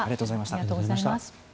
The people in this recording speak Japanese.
ありがとうございます。